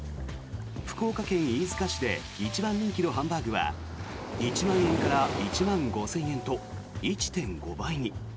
福岡県飯塚市で一番人気のハンバーグは１万円から１万５０００円と１．５倍に。